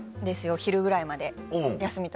お昼ぐらいまで休みとか。